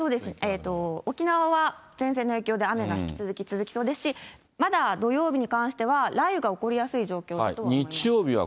沖縄は前線の影響で雨が引き続き降りそうですし、まだ土曜日に関しては、雷雨が起こりやすい状況とは思います。